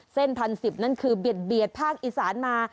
เส้นพันสิบนั่นคือเบียดภาคอีสานมา